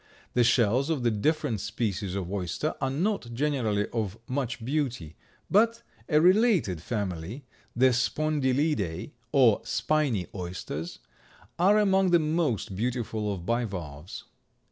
The shells of the different species of oyster are not generally of much beauty, but a related family, the Spondylidae, or spiny oysters, are among the most beautiful of bivalves.